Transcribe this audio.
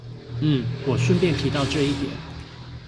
嗯我順便提到這一點